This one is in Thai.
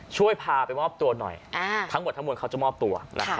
ช่วยพาไปมอบตัวหน่อยทั้งหมดทั้งมวลเขาจะมอบตัว